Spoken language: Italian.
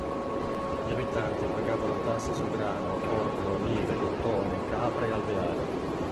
Gli abitanti pagavano tasse su grano, orzo, olive, cotone, capre e alveari.